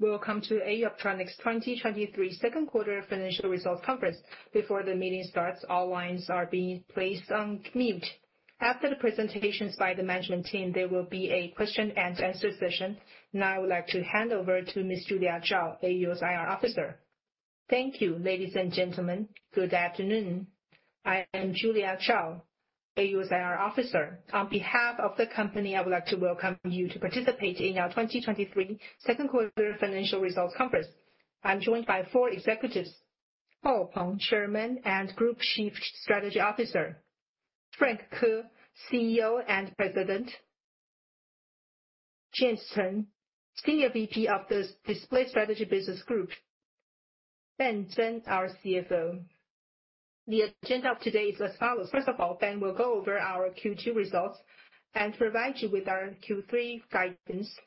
Welcome to AU Optronics 2023 Second Quarter Financial Results Conference. Before the meeting starts, all lines are being placed on mute. After the presentations by the management team, there will be a question-and-answer session. Now, I would like to hand over to Ms. Julia Chao, AUO's IR Officer. Thank you, ladies and gentlemen. Good afternoon. I am Julia Chao, AUO's IR Officer. On behalf of the company, I would like to welcome you to participate in our 2023 second quarter financial results conference. I'm joined by four executives, Paul Peng, Chairman and Group Chief Strategy Officer, Frank Ko, CEO and President, James Chen, Senior VP of the Display Strategy Business Group, Ben Chen, our CFO. The agenda of today is as follows. First of all, Ben will go over our Q2 results and provide you with our Q3 guidance.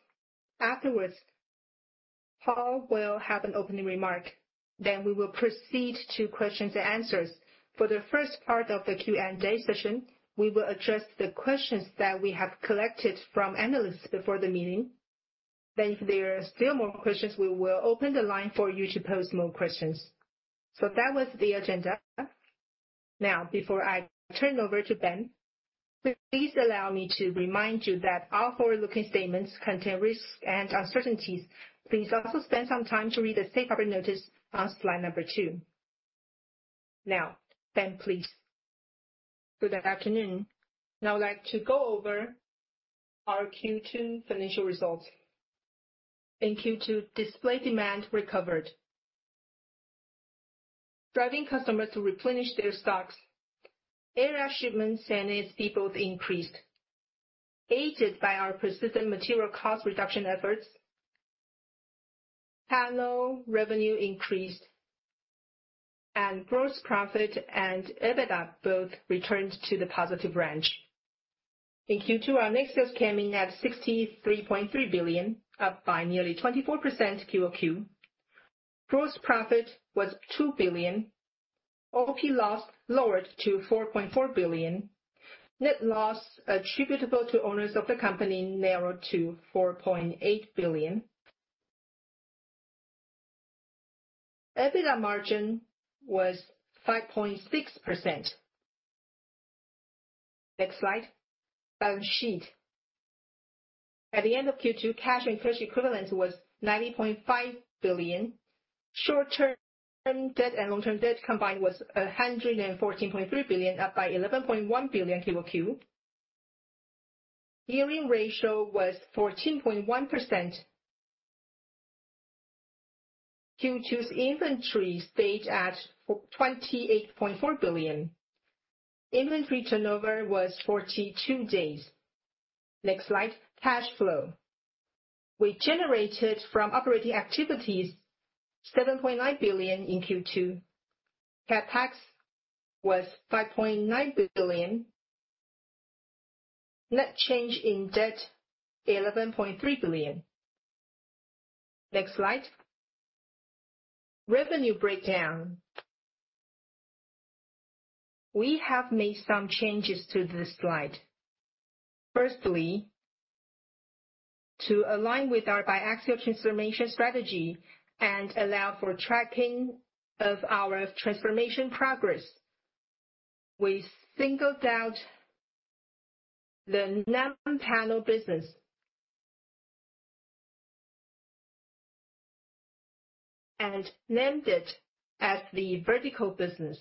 Paul will have an opening remark. We will proceed to questions and answers. For the first part of the Q&A session, we will address the questions that we have collected from analysts before the meeting. If there are still more questions, we will open the line for you to pose more questions. That was the agenda. Before I turn over to Ben, please allow me to remind you that all forward-looking statements contain risks and uncertainties. Please also spend some time to read the safe harbor notice on slide number two. Ben, please. Good afternoon. I'd like to go over our Q2 financial results. In Q2, display demand recovered, driving customers to replenish their stocks. Area shipments and ASP both increased. Aided by our persistent material cost reduction efforts, panel revenue increased, and gross profit and EBITDA both returned to the positive range. In Q2, our next sales came in at 63.3 billion, up by nearly 24% QOQ. Gross profit was 2 billion. OP loss lowered to 4.4 billion. Net loss attributable to owners of the company narrowed to 4.8 billion. EBITDA margin was 5.6%. Next slide, balance sheet. At the end of Q2, cash and cash equivalent was 90.5 billion. Short-term debt and long-term debt combined was 114.3 billion, up by 11.1 billion QOQ. Gearing ratio was 14.1%. Q2's inventory stayed at 28.4 billion. Inventory turnover was 42 days. Next slide, cash flow. We generated from operating activities 7.9 billion in Q2. CapEx was 5.9 billion. Net change in debt, 11.3 billion. Next slide, revenue breakdown. We have made some changes to this slide. Firstly, to align with our biaxial transformation strategy and allow for tracking of our transformation progress, we singled out the non-panel business and named it as the vertical business.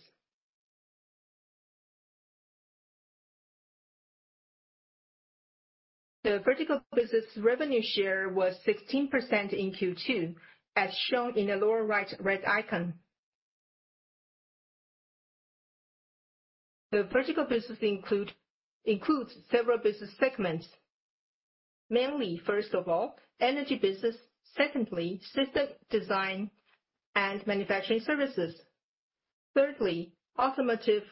The vertical business revenue share was 16% in Q2, as shown in the lower right red icon. The vertical business includes several business segments. Mainly, first of all, energy business, secondly, system design and manufacturing services, thirdly, automotive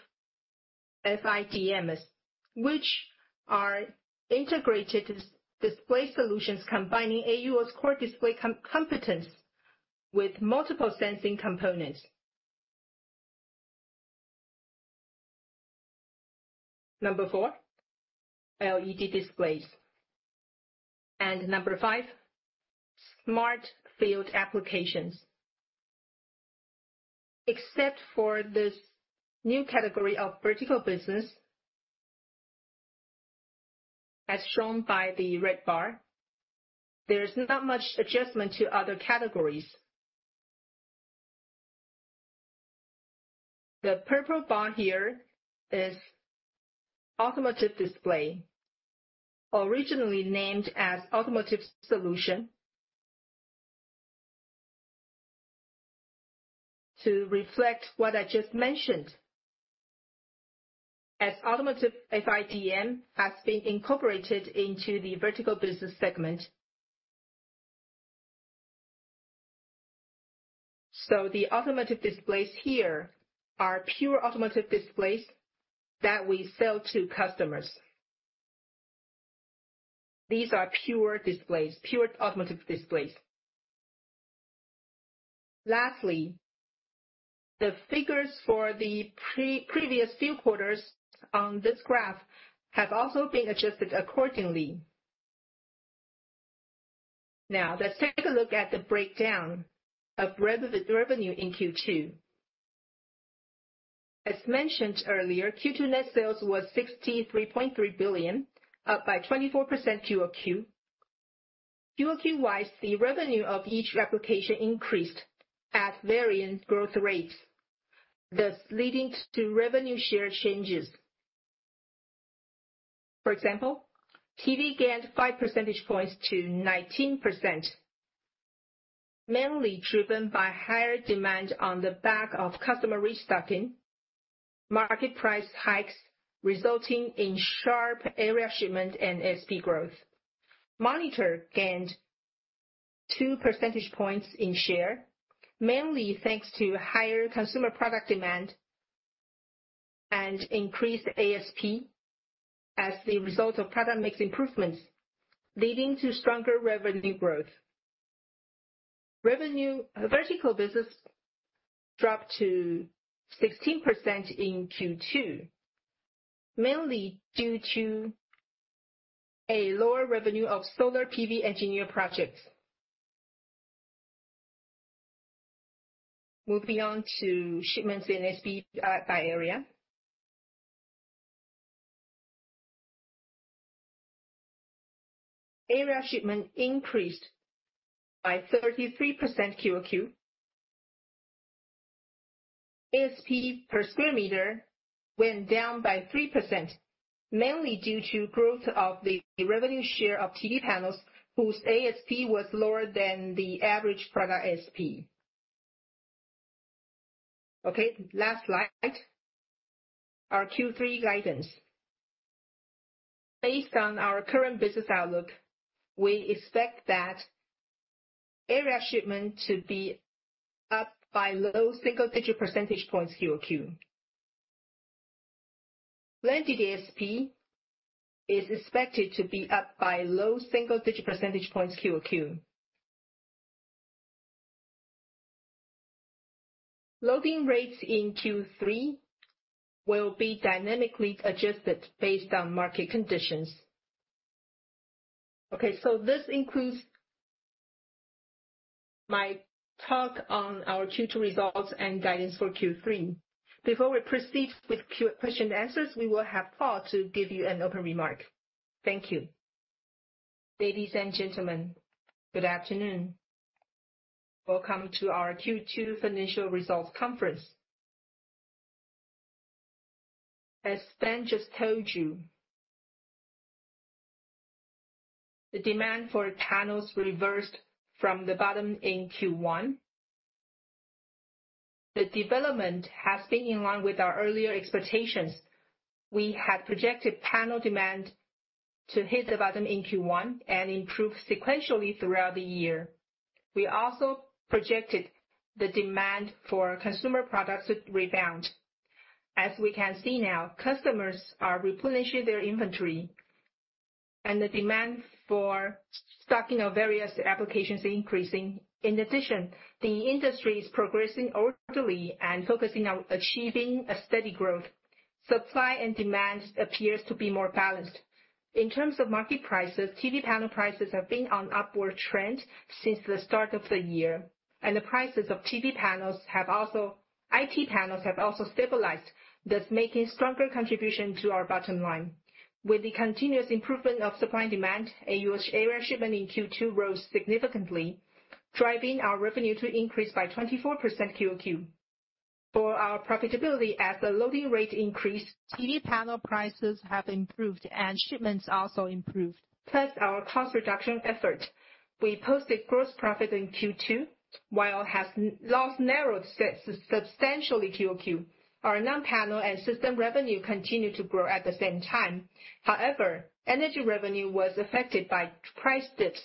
FIDMs, which are integrated display solutions, combining AUO's core display competence with multiple sensing components. Number four, LED displays, and number five, smart field applications. Except for this new category of vertical business, as shown by the red bar, there's not much adjustment to other categories. The purple bar here is automotive display, originally named as Automotive Solution. To reflect what I just mentioned, as automotive FIDM has been incorporated into the vertical business segment. The automotive displays here are pure automotive displays that we sell to customers. These are pure displays, pure automotive displays. Lastly, the figures for the previous few quarters on this graph have also been adjusted accordingly. Now, let's take a look at the breakdown of revenue in Q2. As mentioned earlier, Q2 net sales was 63.3 billion, up by 24% QOQ. QOQ-wise, the revenue of each application increased at varying growth rates, thus leading to revenue share changes. For example, TV gained five percentage points to 19%, mainly driven by higher demand on the back of customer restocking, market price hikes, resulting in sharp area shipment and ASP growth. Monitor gained 2 percentage points in share, mainly thanks to higher consumer product demand and increased ASP as a result of product mix improvements, leading to stronger revenue growth. Revenue, vertical business dropped to 16% in Q2, mainly due to a lower revenue of solar PV engineer projects. Moving on to shipments in ASP by area. Area shipment increased by 33% QOQ. ASP per square meter went down by 3%, mainly due to growth of the revenue share of TV panels, whose ASP was lower than the average product ASP. Last slide. Our Q3 guidance. Based on our current business outlook, we expect that area shipment to be up by low single-digit percentage points QOQ. Blended ASP is expected to be up by low single-digit percentage points QOQ. Loading rates in Q3 will be dynamically adjusted based on market conditions. Okay, this concludes my talk on our Q2 results and guidance for Q3. Before we proceed with question and answers, we will have Paul to give you an open remark. Thank you. Ladies and gentlemen, good afternoon. Welcome to our Q2 financial results conference. As Ben just told you, the demand for panels reversed from the bottom in Q1. The development has been in line with our earlier expectations. We had projected panel demand to hit the bottom in Q1 and improve sequentially throughout the year. We also projected the demand for consumer products to rebound. As we can see now, customers are replenishing their inventory, and the demand for stocking of various applications are increasing. In addition, the industry is progressing orderly and focusing on achieving a steady growth. Supply and demand appears to be more balanced. In terms of market prices, TV panel prices have been on upward trend since the start of the year, and IT panels have also stabilized, thus making stronger contribution to our bottom line. With the continuous improvement of supply and demand, AUO's area shipment in Q2 rose significantly, driving our revenue to increase by 24% QOQ. For our profitability, as the loading rate increased, TV panel prices have improved and shipments also improved, plus our cost reduction effort. We posted gross profit in Q2, while has loss narrowed substantially QOQ. Our non-panel and system revenue continued to grow at the same time. However, energy revenue was affected by price dips,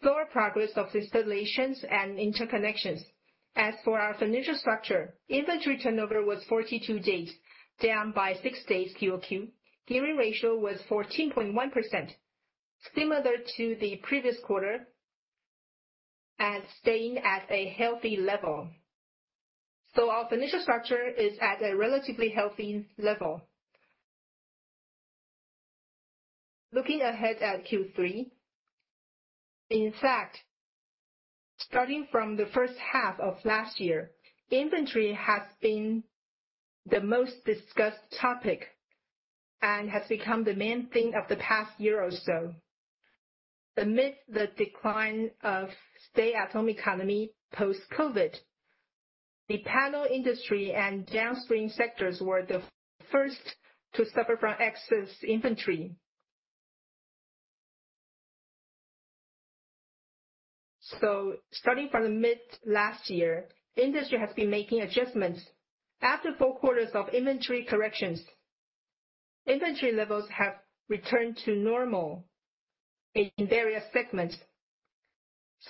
slower progress of installations, and interconnections. As for our financial structure, inventory turnover was 42 days, down by six days QOQ. Gearing ratio was 14.1%, similar to the previous quarter and staying at a healthy level. Our financial structure is at a relatively healthy level. Looking ahead at Q3, in fact, starting from the first half of last year, inventory has been the most discussed topic and has become the main thing of the past year or so. Amid the decline of stay-at-home economy post-COVID, the panel industry and downstream sectors were the first to suffer from excess inventory. Starting from the mid-last year, the industry has been making adjustments. After four quarters of inventory corrections, inventory levels have returned to normal in various segments.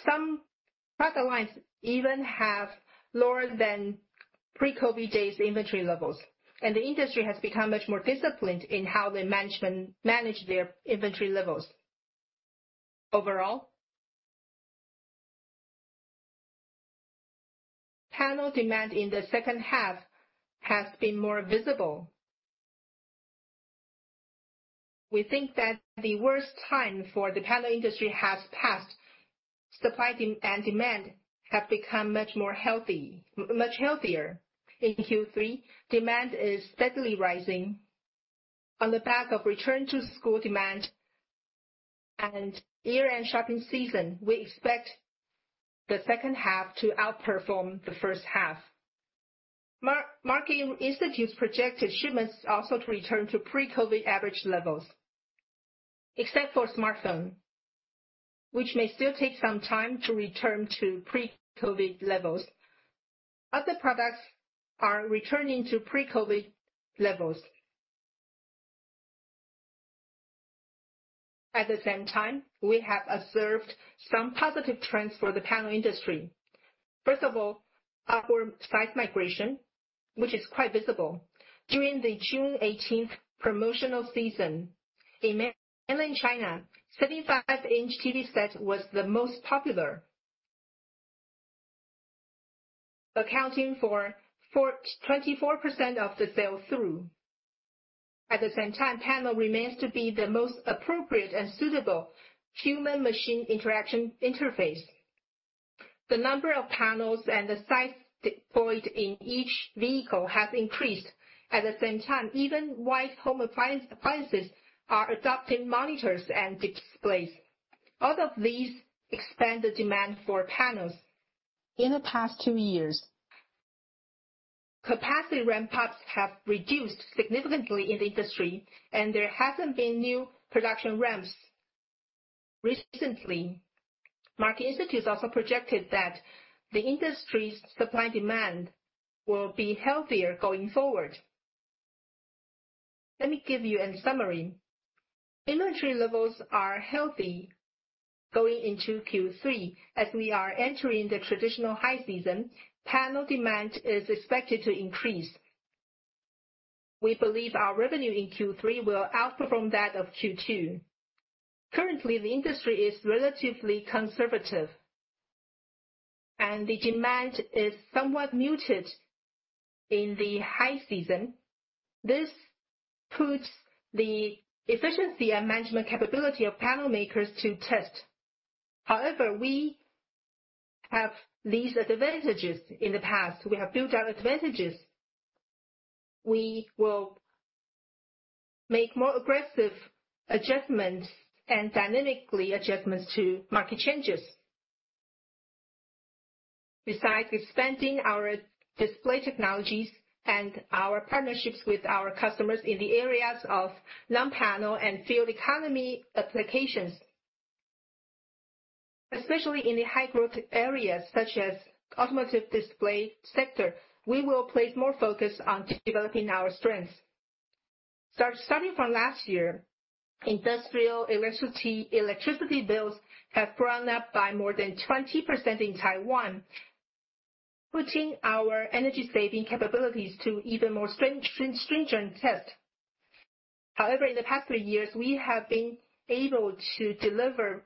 Some product lines even have lower than pre-COVID days inventory levels, and the industry has become much more disciplined in how they manage their inventory levels. Overall, panel demand in the second half has been more visible. We think that the worst time for the panel industry has passed. Supply and demand have become much more healthy, much healthier. In Q3, demand is steadily rising. On the back of return to school demand and year-end shopping season, we expect the second half to outperform the first half. Market Institute projected shipments also to return to pre-COVID average levels, except for smartphone, which may still take some time to return to pre-COVID levels. Other products are returning to pre-COVID levels. At the same time, we have observed some positive trends for the panel industry. First of all, our size migration, is quite visible. During the June 18th promotional season in Mainland China, 75-inch TV set was the most popular, accounting for 24% of the sale through. At the same time, the panel remains the most appropriate and suitable human-machine interaction interface. The number of panels and the size deployed in each vehicle has increased. At the same time, even white home appliances are adopting monitors and displays. All of these expand the demand for panels. In the past two years, capacity ramp ups have reduced significantly in the industry, and there hasn't been new production ramps. Recently, Market Institute also projected that the industry's supply-demand will be healthier going forward. Let me give you a summary. Inventory levels are healthy going into Q3. As we are entering the traditional high season, panel demand is expected to increase. We believe our revenue in Q3 will outperform that of Q2. Currently, the industry is relatively conservative, and the demand is somewhat muted in the high season. This puts the efficiency and management capability of panel makers to test. However, we have these advantages. In the past, we have built our advantages. We will make more aggressive adjustments and dynamically adjustments to market changes. Besides expanding our display technologies and our partnerships with our customers in the areas of non-panel and field economy applications, especially in the high-growth areas such as automotive display sector, we will place more focus on developing our strengths. Starting from last year, industrial electricity bills have grown up by more than 20% in Taiwan, putting our energy saving capabilities to even more stringent test. However, in the past three years, we have been able to deliver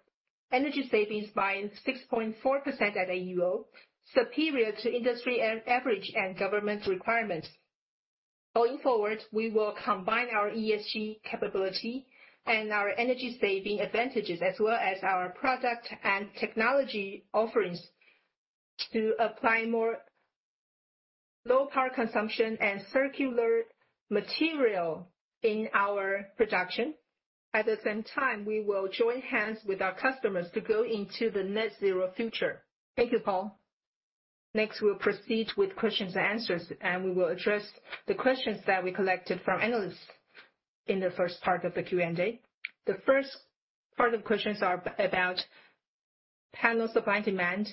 energy savings by 6.4% at AUO, superior to industry and average and government requirements. Going forward, we will combine our ESG capability and our energy saving advantages, as well as our product and technology offerings, to apply more low power consumption and circular material in our production. We will join hands with our customers to go into the net zero future. Thank you, Paul. We'll proceed with questions and answers, and we will address the questions that we collected from analysts in the first part of the Q&A. The first part of questions is about panel supply and demand.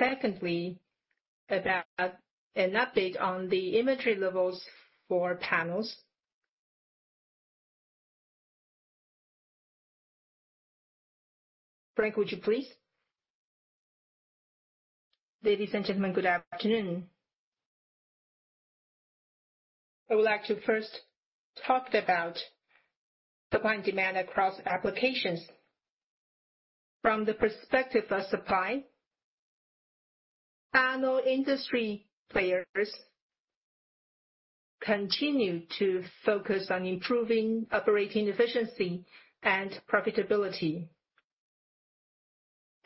About an update on the inventory levels for panels. Frank, would you, please? Ladies and gentlemen, good afternoon. I would like to first talk about supply and demand across applications. From the perspective of supply, panel industry players continue to focus on improving operating efficiency and profitability.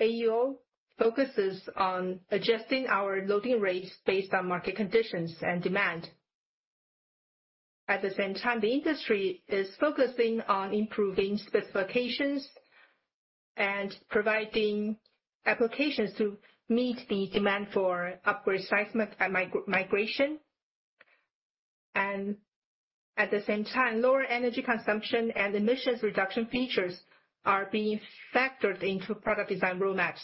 AUO focuses on adjusting our loading rates based on market conditions and demand. The industry is focusing on improving specifications and providing applications to meet the demand for upgrade seismic and migration. At the same time, lower energy consumption and emissions reduction features are being factored into product design roadmaps.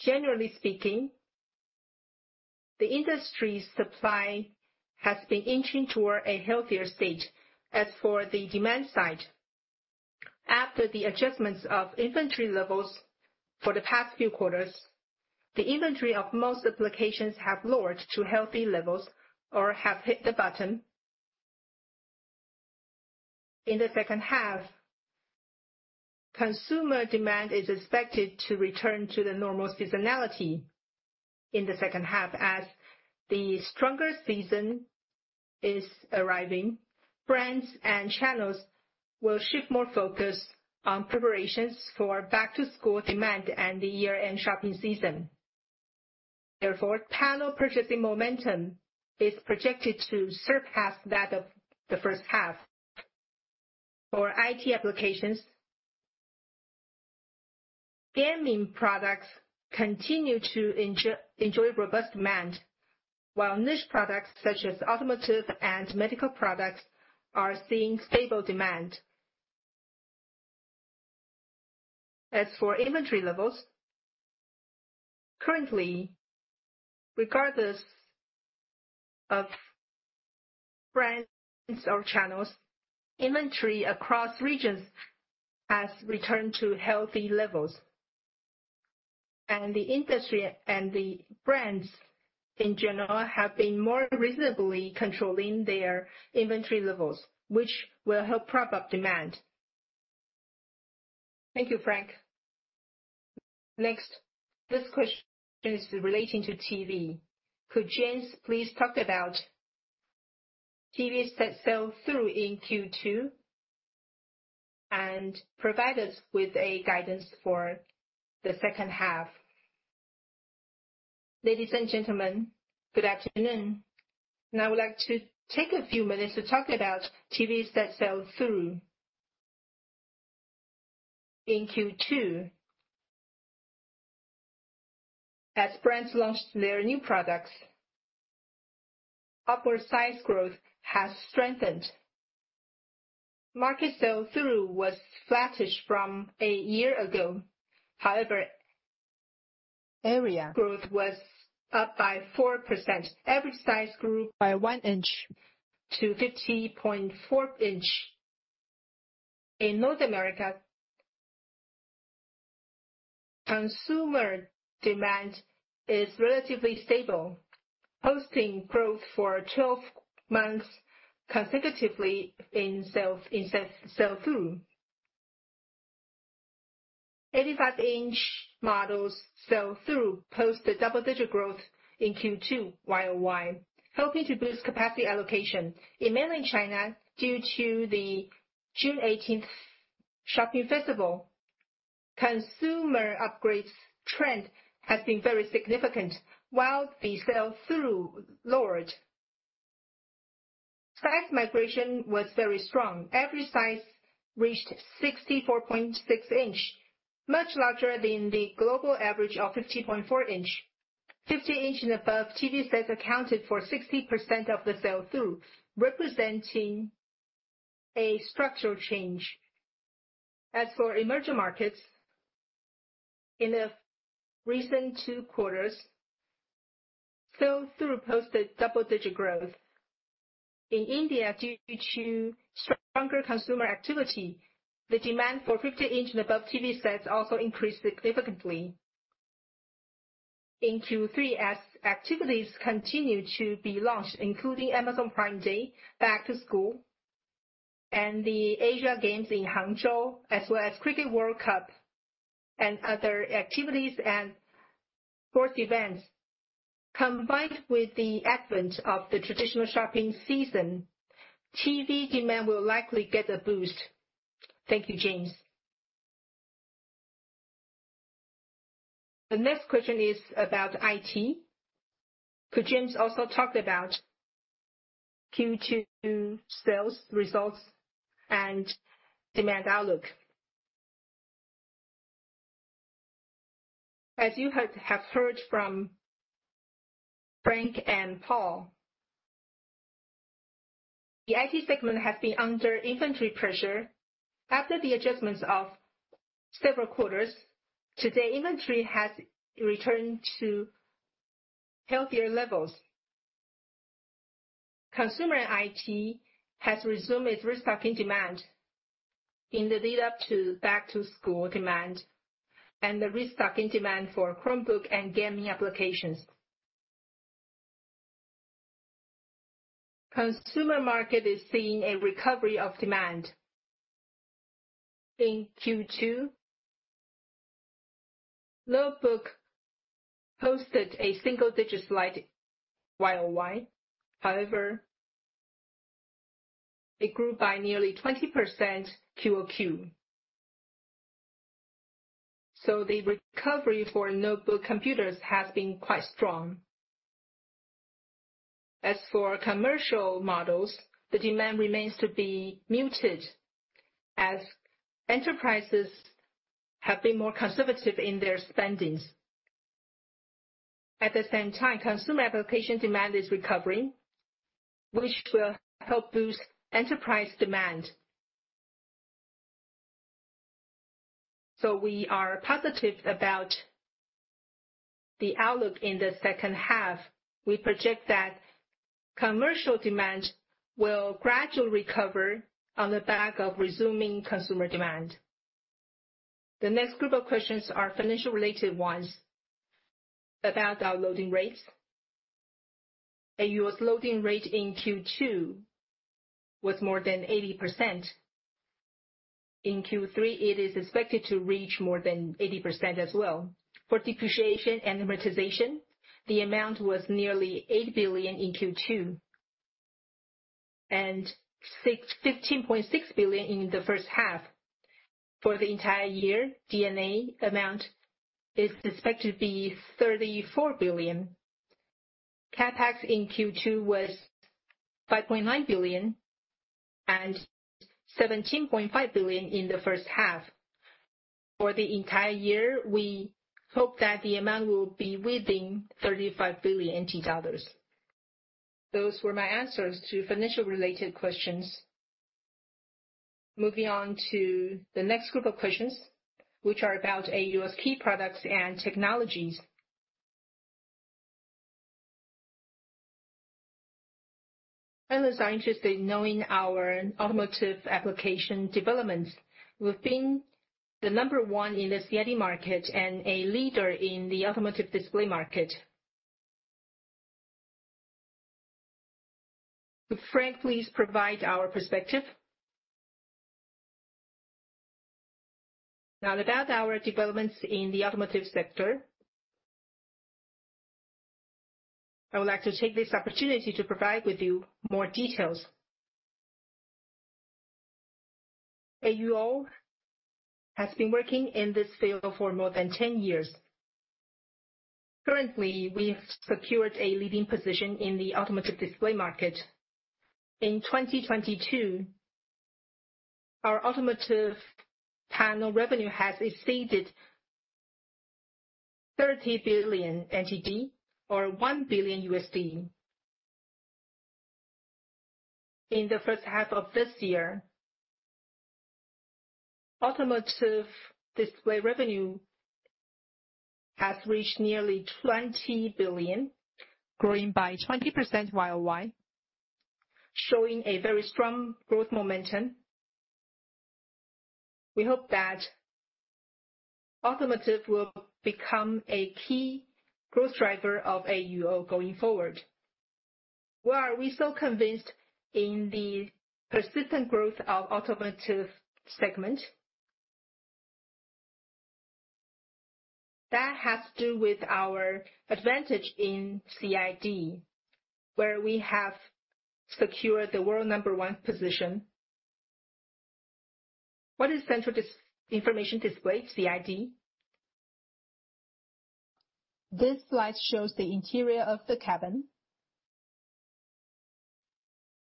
Generally speaking, the industry's supply has been inching toward a healthier state. As for the demand side, after the adjustments of inventory levels for the past few quarters. The inventory of most applications has lowered to healthy levels or has hit the bottom. In the second half, consumer demand is expected to return to the normal seasonality. In the second half, as the stronger season is arriving, brands and channels will shift more focus on preparations for back-to-school demand and the year-end shopping season. Therefore, panel purchasing momentum is projected to surpass that of the first half. For IT applications, gaming products continue to enjoy robust demand, while niche products such as automotive and medical products are seeing stable demand. As for inventory levels, currently, regardless of brands or channels, inventory across regions has returned to healthy levels. The industry and the brands in general, have been more reasonably controlling their inventory levels, which will help prop up demand. Thank you, Frank. This question is relating to TV. Could James please talk about TV set sell-through in Q2, and provide us with a guidance for the second half? Ladies and gentlemen, good afternoon. I would like to take a few minutes to talk about TVs that sell-through. In Q2, as brands launched their new products, upward size growth has strengthened. Market sell-through was flattish from a year ago, however, area growth was up by 4%. Every size grew by one inch to 50.4 inch. In North America, consumer demand is relatively stable, posting growth for 12 months consecutively in sell-through. 85-inch models sell-through posted double-digit growth in Q2 year-over-year, helping to boost capacity allocation. In Mainland China, due to the June 18th shopping festival, consumer upgrades trend has been very significant. While the sell-through lowered, size migration was very strong. Every size reached 64.6 inch, much larger than the global average of 50.4 inch. 50-inch and above TV sets accounted for 60% of the sell-through, representing a structural change. As for emerging markets, in the recent two quarters, sell-through posted double-digit growth. In India, due to stronger consumer activity, the demand for 50-inch and above TV sets also increased significantly. In Q3, as activities continue to be launched, including Amazon Prime Day, back to school, and the Asian Games in Hangzhou, as well as Cricket World Cup and other activities and sports events. Combined with the advent of the traditional shopping season, TV demand will likely get a boost. Thank you, James. The next question is about IT. Could James also talk about Q2 sales results and demand outlook? As you have heard from Frank and Paul, the IT segment has been under inventory pressure. After the adjustments of several quarters, today, inventory has returned to healthier levels. Consumer IT has resumed its restocking demand in the lead-up to back-to-school demand and the restocking demand for Chromebook and gaming applications. Consumer market is seeing a recovery of demand. In Q2, notebook posted a single-digit slide year-over-year. It grew by nearly 20% QOQ. The recovery for notebook computers has been quite strong. As for commercial models, the demand remains to be muted as enterprises have been more conservative in their spendings. At the same time, consumer application demand is recovering, which will help boost enterprise demand. We are positive about the outlook in the second half. We project that commercial demand will gradually recover on the back of resuming consumer demand. The next group of questions are financial-related ones about our loading rates. AUO's loading rate in Q2 was more than 80%. In Q3, it is expected to reach more than 80% as well. For depreciation and amortization, the amount was nearly 8 billion in Q2, and 15.6 billion in the first half. For the entire year, D&A amount is expected to be 34 billion. CapEx in Q2 was 5.9 billion and 17.5 billion in the first half. For the entire year, we hope that the amount will be within NTD 35 billion. Those were my answers to financial-related questions. Moving on to the next group of questions, which are about AUO's key products and technologies. Analysts are interested in knowing our automotive application developments. We've been the number one in the CID market and a leader in the automotive display market. Could Frank please provide our perspective? Now, about our developments in the automotive sector, I would like to take this opportunity to provide with you more details. AUO has been working in this field for more than 10 years. Currently, we've secured a leading position in the automotive display market. In 2022, our automotive panel revenue has exceeded 30 billion NTD or $1 billion. In the first half of this year, automotive display revenue has reached nearly 20 billion NTD, growing by 20% YOY, showing a very strong growth momentum. We hope that automotive will become a key growth driver of AUO going forward. Why are we so convinced in the persistent growth of automotive segment? That has to do with our advantage in CID, where we have secured the world number one position. What is central information display, CID? This slide shows the interior of the cabin.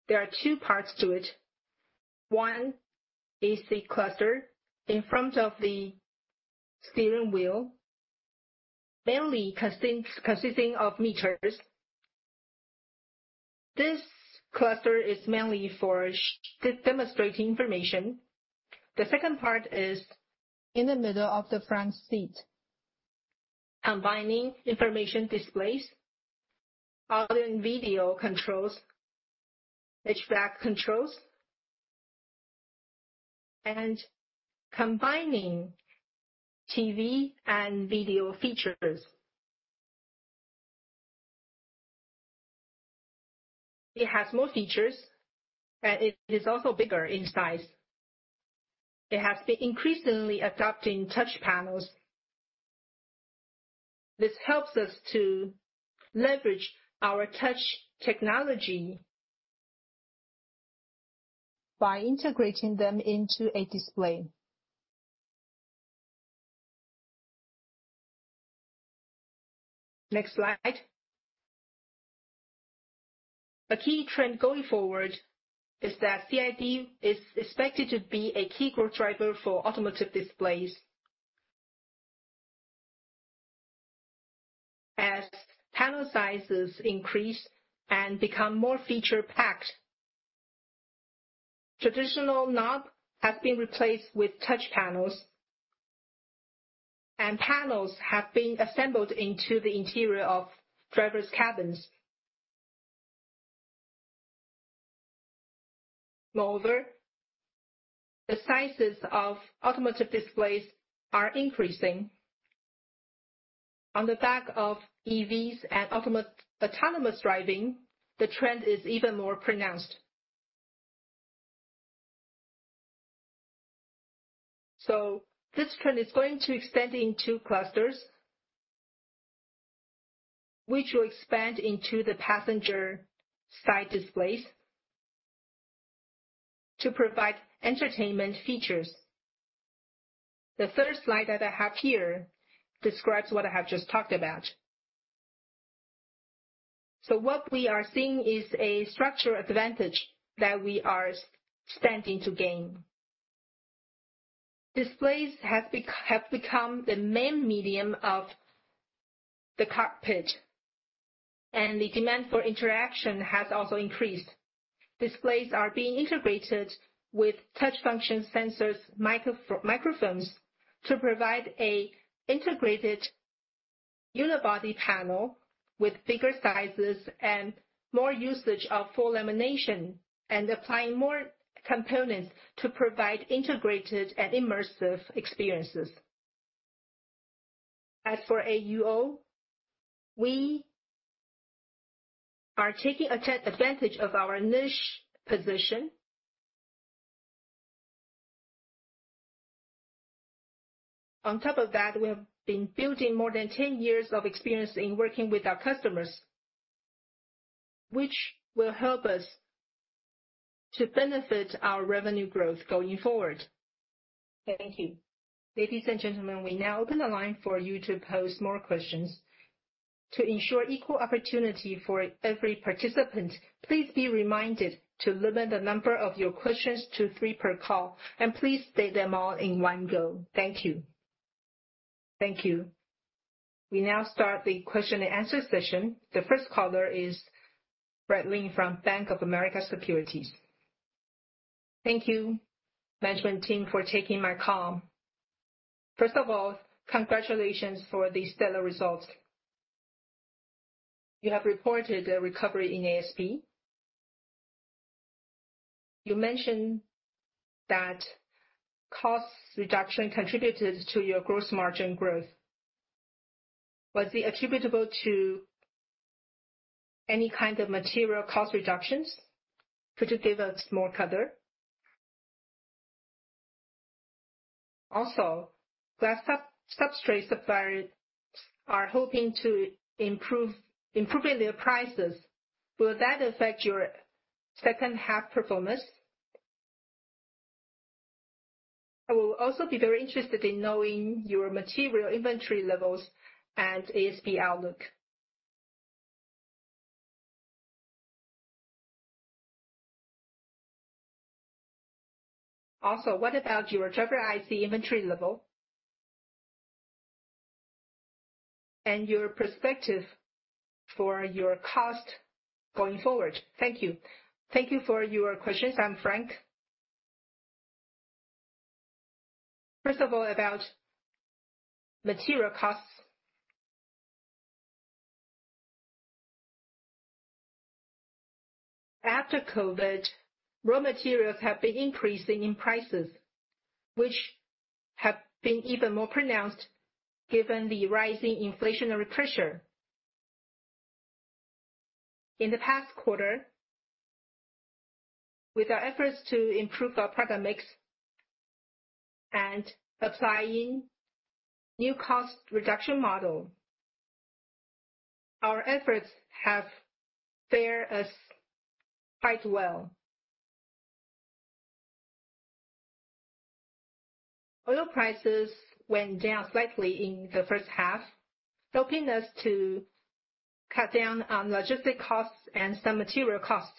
There are two parts to it. One is the cluster in front of the steering wheel, mainly consisting of meters. This cluster is mainly for demonstrating information. The second part is in the middle of the front seat, combining information displays, audio and video controls, HVAC controls, and combining TV and video features. It has more features, and it is also bigger in size. It has been increasingly adopting touch panels. This helps us to leverage our touch technology by integrating them into a display. Next slide. A key trend going forward is that CID is expected to be a key growth driver for automotive displays. As panel sizes increase and become more feature-packed, traditional knob has been replaced with touch panels, and panels have been assembled into the interior of drivers' cabins. Moreover, the sizes of automotive displays are increasing. On the back of EVs and autonomous driving, the trend is even more pronounced. This trend is going to extend in two clusters, which will expand into the passenger side displays to provide entertainment features. The third slide that I have here describes what I have just talked about. What we are seeing is a structural advantage that we are standing to gain. Displays have become the main medium of the cockpit, and the demand for interaction has also increased. displays are being integrated with touch function sensors, microphones, to provide a integrated unibody panel with bigger sizes and more usage of full lamination, and applying more components to provide integrated and immersive experiences. As for AUO, we are taking advantage of our niche position. On top of that, we have been building more than 10 years of experience in working with our customers, which will help us to benefit our revenue growth going forward. Thank you. Ladies and gentlemen, we now open the line for you to pose more questions. To ensure equal opportunity for every participant, please be reminded to limit the number of your questions to three per call, and please state them all in one go. Thank you. Thank you. We now start the question and answer session. The first caller is Brett Lin from Bank of America Securities. Thank you, management team, for taking my call. First of all, congratulations on these stellar results. You have reported a recovery in ASP. You mentioned that cost reduction contributed to your gross margin growth. Was it attributable to any kind of material cost reductions? Could you give us more color? Glass sub-substrate suppliers are hoping to improve their prices. Will that affect your second-half performance? I will also be very interested in knowing your material inventory levels and ASP outlook. What about your driver IC inventory level and your perspective on your cost going forward? Thank you. Thank you for your questions. I'm Frank. First of all, about material costs. After COVID, raw materials have been increasing in price, which has been even more pronounced given the rising inflationary pressure. In the past quarter, with our efforts to improve our product mix and applying new cost reduction model, our efforts have fared us quite well. Oil prices went down slightly in the first half, helping us to cut down on logistic costs and some material costs.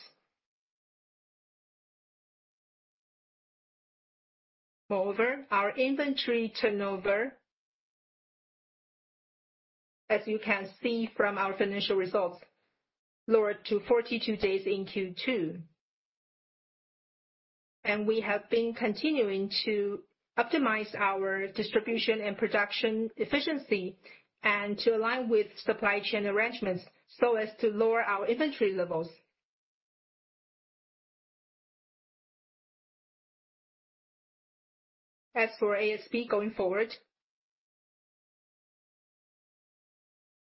Moreover, our inventory turnover, as you can see from our financial results, lowered to 42 days in Q2. We have been continuing to optimize our distribution and production efficiency and to align with supply chain arrangements so as to lower our inventory levels. As for ASP going forward,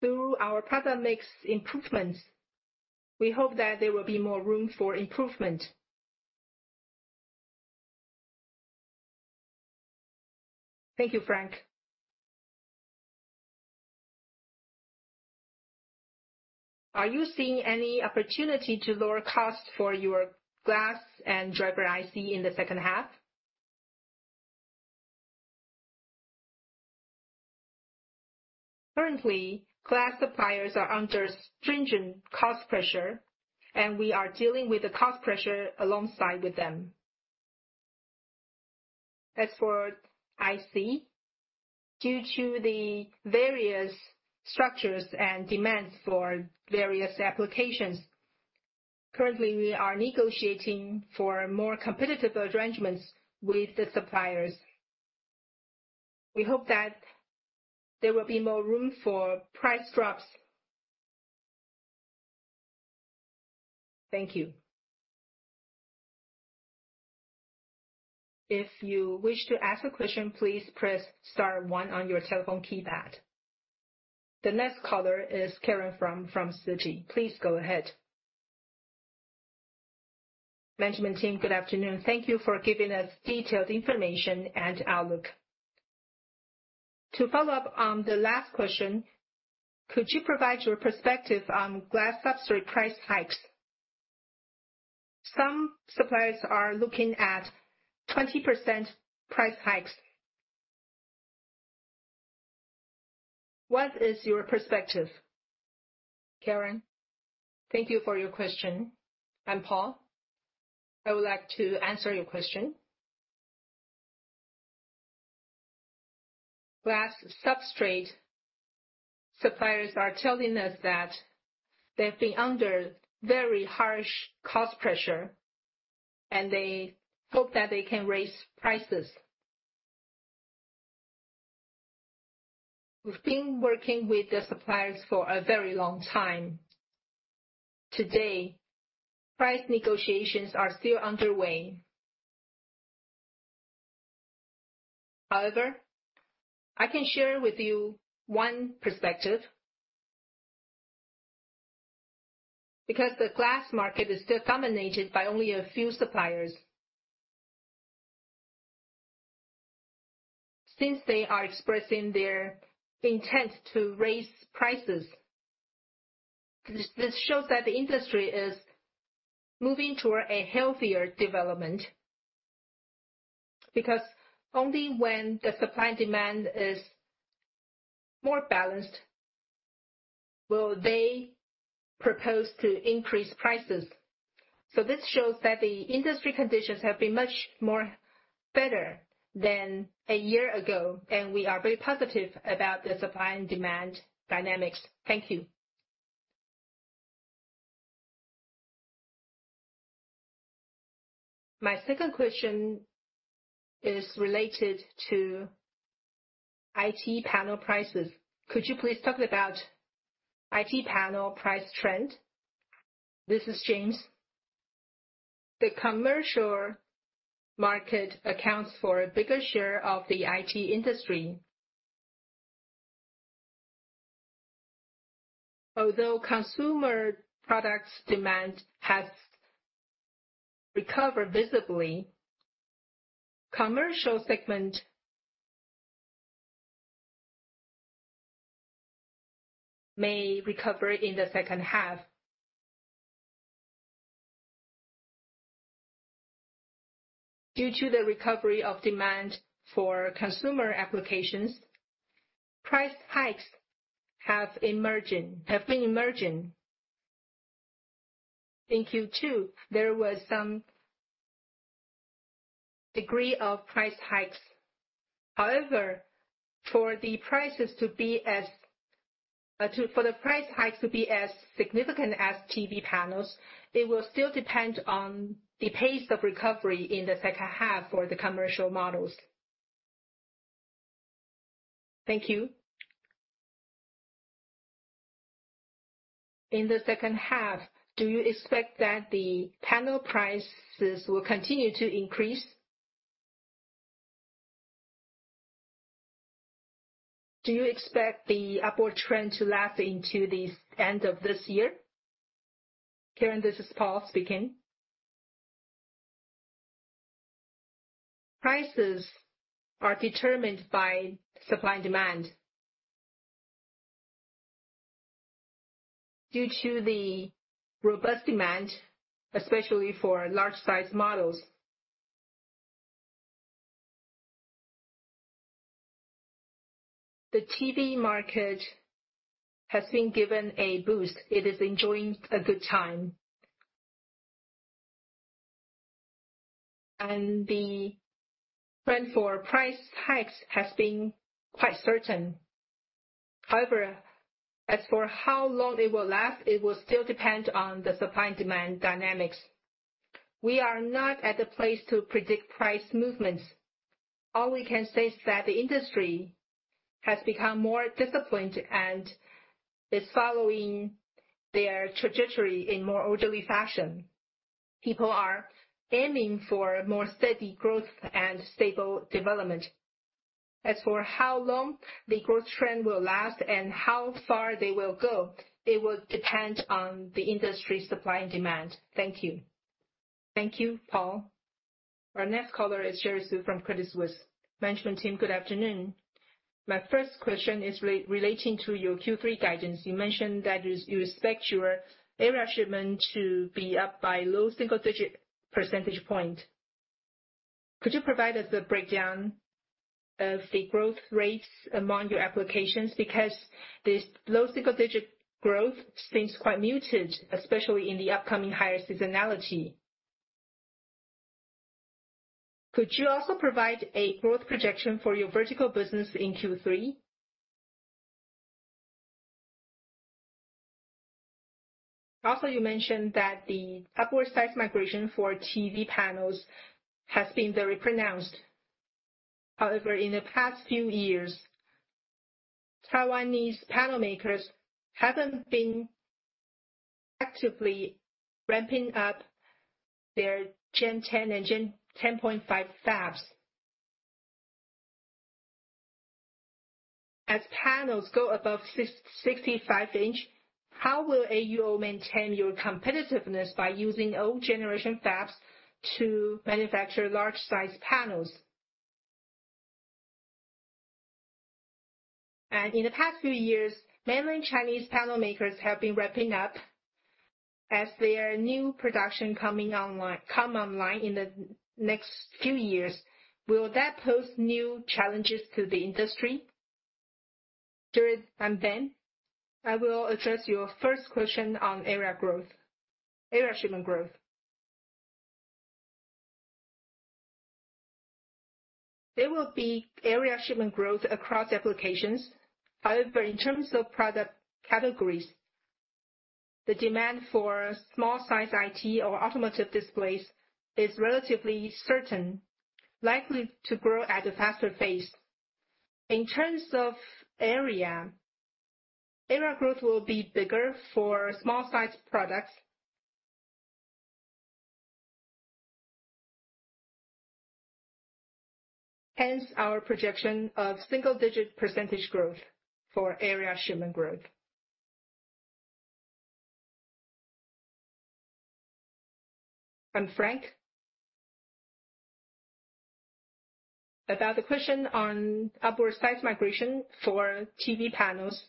through our product mix improvements, we hope that there will be more room for improvement. Thank you, Frank. Are you seeing any opportunity to lower costs for your glass and driver IC in the second half? Currently, glass suppliers are under stringent cost pressure, and we are dealing with the cost pressure alongside with them. As for IC, due to the various structures and demands for various applications, currently, we are negotiating for more competitive arrangements with the suppliers. We hope that there will be more room for price drops. Thank you. If you wish to ask a question, please press star one on your telephone keypad. The next caller is Karen From, from Citi. Please go ahead. Management team, good afternoon. Thank you for giving us detailed information and outlook. To follow up on the last question, could you provide your perspective on glass substrate price hikes? Some suppliers are looking at 20% price hikes. What is your perspective? Karen, thank you for your question. I'm Paul. I would like to answer your question. Glass substrate suppliers are telling us that they've been under very harsh cost pressure, they hope that they can raise prices. We've been working with the suppliers for a very long time. Today, price negotiations are still underway. I can share with you one perspective. The glass market is still dominated by only a few suppliers. They are expressing their intent to raise prices, this shows that the industry is moving toward a healthier development, because only when the supply and demand is more balanced will they propose to increase prices. This shows that the industry conditions have been much more better than a year ago, and we are very positive about the supply and demand dynamics. Thank you. My second question is related to IT panel prices. Could you please talk about IT panel price trend? This is James. The commercial market accounts for a bigger share of the IT industry. Although consumer products demand has recovered visibly, commercial segment may recover in the second half. Due to the recovery of demand for consumer applications, price hikes have been emerging. In Q2, there was some degree of price hikes. However, for the price hikes to be as significant as TV panels, it will still depend on the pace of recovery in the second half for the commercial models. Thank you. In the second half, do you expect that the panel prices will continue to increase? Do you expect the upward trend to last into this end of this year? Karen, this is Paul speaking. Prices are determined by supply and demand. Due to the robust demand, especially for large-sized models, the TV market has been given a boost. It is enjoying a good time. The trend for price hikes has been quite certain. However, as for how long it will last, it will still depend on the supply and demand dynamics. We are not at the place to predict price movements. All we can say is that the industry has become more disciplined and is following their trajectory in more orderly fashion. People are aiming for more steady growth and stable development. As for how long the growth trend will last and how far they will go, it will depend on the industry's supply and demand. Thank you. Thank you, Paul. Our next caller is Jerry Su from UBS. Management team, good afternoon. My first question is relating to your Q3 guidance. You mentioned that you expect your area shipment to be up by low single-digit percentage point. Could you provide us a breakdown of the growth rates among your applications? This low single-digit growth seems quite muted, especially in the upcoming higher seasonality. Could you also provide a growth projection for your vertical business in Q3? You mentioned that the upward size migration for TV panels has been very pronounced. However, in the past few years, Taiwanese panel makers haven't been actively ramping up their Gen 10 and Gen 10.5 fabs. As panels go above 65 inch, how will AUO maintain your competitiveness by using old generation fabs to manufacture large-sized panels? In the past few years, mainland Chinese panel makers have been ramping up as their new production come online in the next few years. Will that pose new challenges to the industry? Sure, I'm Ben. I will address your first question on area growth, area shipment growth. There will be area shipment growth across applications. However, in terms of product categories, the demand for small-size IT or automotive displays is relatively certain, likely to grow at a faster pace. In terms of area growth will be bigger for small-sized products. Hence, our projection of single-digit % growth for area shipment growth. Frank? About the question on upward size migration for TV panels.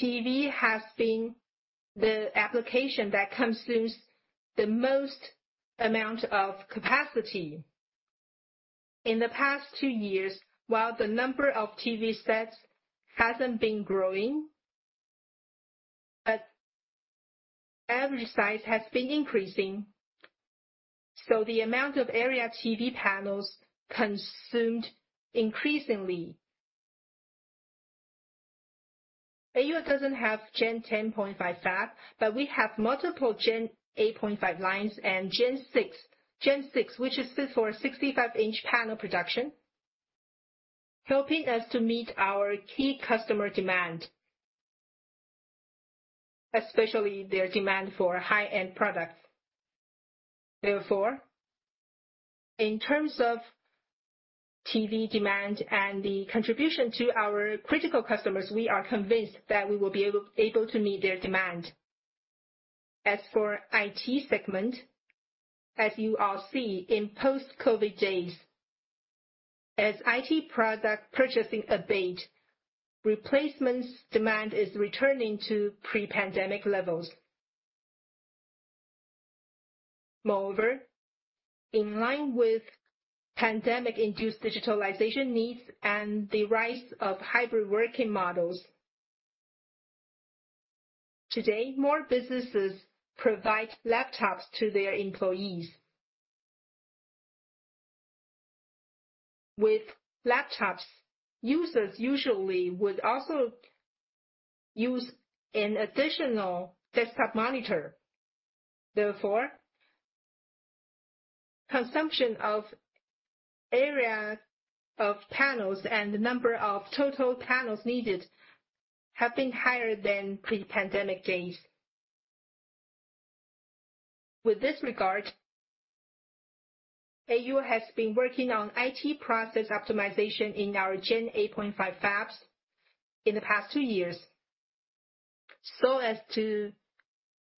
TV has been the application that consumes the most amount of capacity. In the past two years, while the number of TV sets hasn't been growing, but average size has been increasing, so the amount of area TV panels consumed increasingly. AU doesn't have Gen 10.5 fab, but we have multiple Gen 8.5 lines and Gen 6. Gen 6, which is fit for 65-inch panel production, helps us to meet our key customer demand, especially their demand for high-end products. In terms of TV demand and the contribution to our critical customers, we are convinced that we will be able to meet their demand. As for the IT segment, as you all see, in post-COVID days, as IT product purchasing abates, replacement demand is returning to pre-pandemic levels. In line with pandemic-induced digitalization needs and the rise of hybrid working models, today, more businesses provide laptops to their employees. With laptops, users usually also use an additional desktop monitor. Consumption of area of panels and the number of total panels needed have been higher than in pre-pandemic days. With this regard, AU has been working on IT process optimization in our Gen 8.5 fabs in the past two years, so as to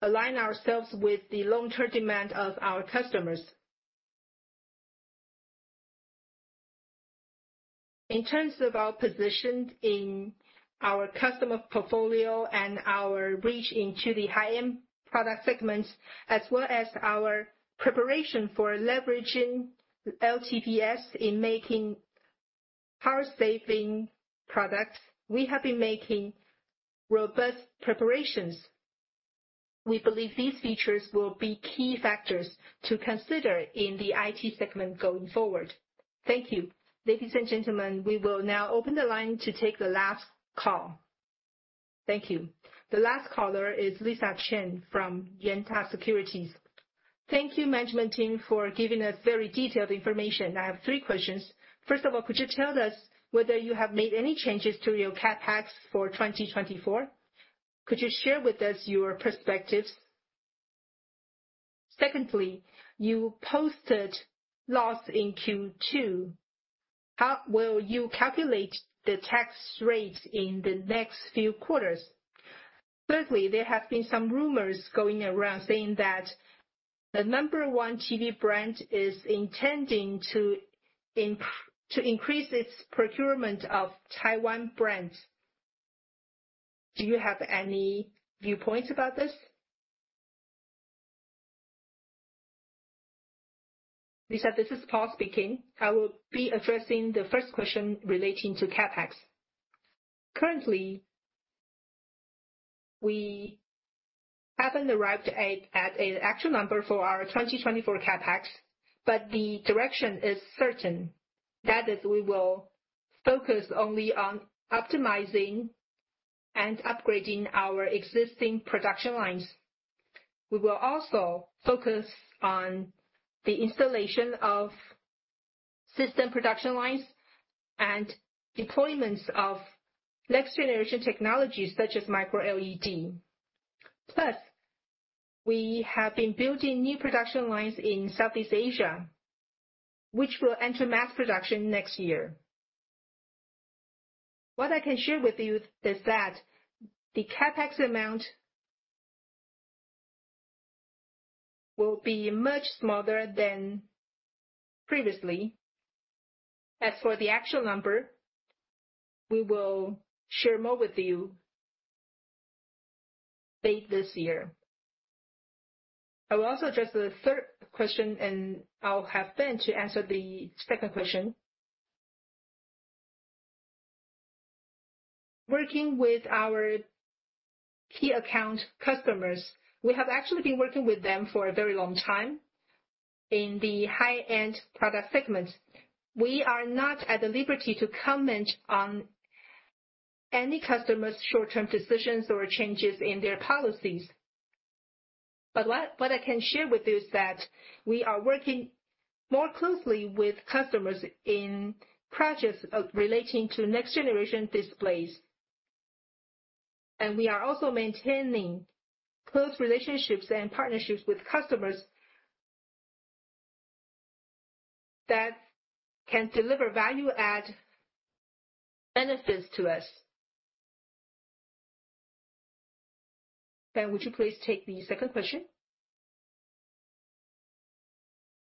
align ourselves with the long-term demand of our customers. In terms of our position in our customer portfolio and our reach into the high-end product segments, as well as our preparation for leveraging LTPS in making power-saving products, we have been making robust preparations. We believe these features will be key factors to consider in the IT segment going forward. Thank you. Ladies and gentlemen, we will now open the line to take the last call. Thank you. The last caller is Lisa Chen from Yuanta Securities. Thank you, management team, for giving us very detailed information. I have three questions. First of all, could you tell us whether you have made any changes to your CapEx for 2024? Could you share with us your perspectives? Secondly, you posted a loss in Q2. How will you calculate the tax rates in the next few quarters? Thirdly, there have been some rumors going around saying that the number one TV brand is intending to increase its procurement of Taiwan brand. Do you have any viewpoints about this? Lisa, this is Paul speaking. I will be addressing the first question relating to CapEx. Currently, we haven't arrived at an actual number for our 2024 CapEx, the direction is certain, that is, we will focus only on optimizing and upgrading our existing production lines. We will also focus on the installation of system production lines and deployments of next-generation technologies, such as Micro LED. We have been building new production lines in Southeast Asia, which will enter mass production next year. What I can share with you is that the CapEx amount will be much smaller than previously. As for the actual number, we will share more with you late this year. I will also address the third question, and I'll have Ben to answer the second question. Working with our key account customers, we have actually been working with them for a very long time. In the high-end product segment, we are not at liberty to comment on any customer's short-term decisions or changes in their policies. What I can share with you is that we are working more closely with customers in projects of relating to next-generation displays. We are also maintaining close relationships and partnerships with customers that can deliver value and add benefits to us. Ben, would you please take the second question?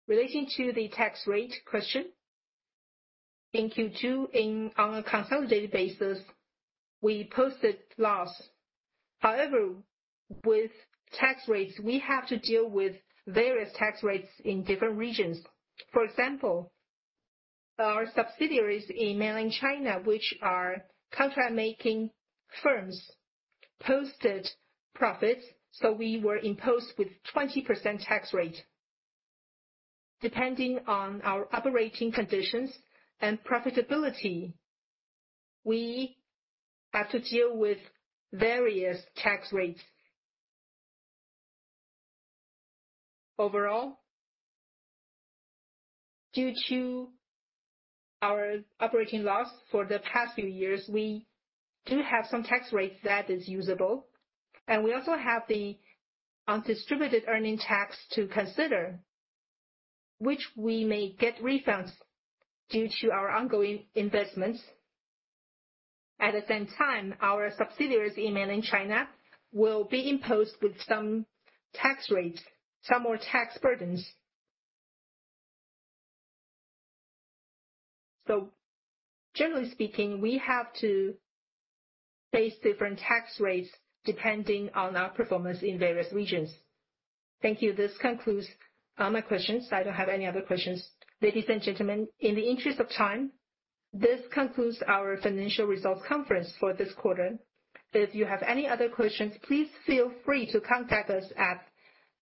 Relating to the tax rate question, in Q2, on a consolidated basis, we posted a loss. However, with tax rates, we have to deal with various tax rates in different regions. For example, our subsidiaries in Mainland China, which are contract-making firms, posted profits, so we were imposed with 20% tax rate. Depending on our operating conditions and profitability, we have to deal with various tax rates. Overall, due to our operating loss for the past few years, we do have some tax rate that is usable, and we also have the undistributed earnings tax to consider, for which we may get refunds due to our ongoing investments. At the same time, our subsidiaries in Mainland China will be imposed with some tax rates, some more tax burdens. Generally speaking, we have to face different tax rates depending on our performance in various regions. Thank you. This concludes all my questions. I don't have any other questions. Ladies and gentlemen, in the interest of time, this concludes our financial results conference for this quarter. If you have any other questions, please feel free to contact us at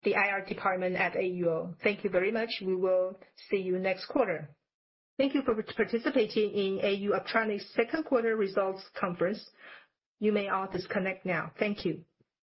the IR department at AUO. Thank you very much. We will see you next quarter. Thank you for participating in AU Optronics second quarter results conference. You may all disconnect now. Thank you.